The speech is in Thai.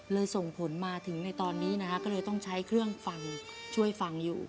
ส่งผลมาถึงในตอนนี้นะฮะก็เลยต้องใช้เครื่องฟังช่วยฟังอยู่